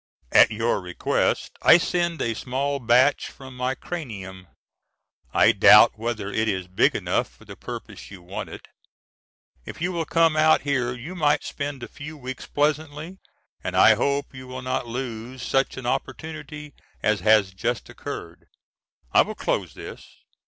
At your request I send a small batch from my cranium. I doubt whether it is big enough for the purpose you want it. If you will come out here you might spend a few weeks pleasantly and I hope you will not lose such an opportunity as has just occurred. I will close this.